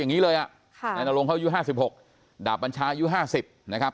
อย่างนี้เลยอ่ะนายนรงเขาอายุ๕๖ดาบบัญชายุ๕๐นะครับ